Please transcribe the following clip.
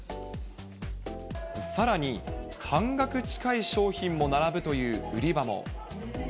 さらに半額近い商品も並ぶという売り場も。